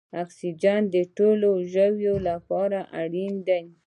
اکسیجن د ټولو ژویو لپاره اړین دی